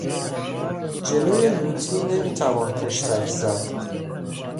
جلوی لوطی نمیتوان پشتک زد.